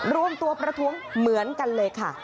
รวมตัวประท้วงเหมือนกันเลยค่ะ